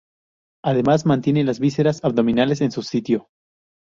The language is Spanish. Además, mantiene las vísceras abdominales en su sitio.